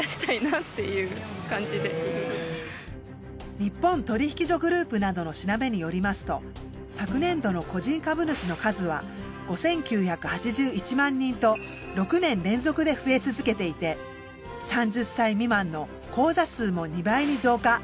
日本取引所グループなどの調べによりますと昨年度の個人株主の数は５，９８１万人と６年連続で増え続けていて３０歳未満の口座数も２倍に増加。